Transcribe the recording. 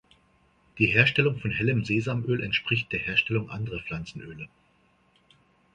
Die Herstellung von hellem Sesamöl entspricht der Herstellung anderer Pflanzenöle.